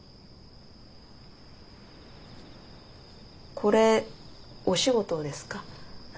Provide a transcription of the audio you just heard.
これお仕事ですか？